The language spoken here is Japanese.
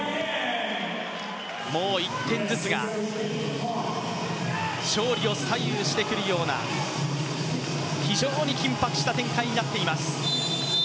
もう１点ずつが勝利を左右してくるような、非常に緊迫した展開になっています。